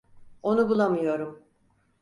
Onu bulamıyorum.